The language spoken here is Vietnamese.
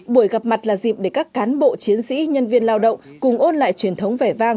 buổi gặp mặt là dịp để các cán bộ chiến sĩ nhân viên lao động cùng ôn lại truyền thống vẻ vang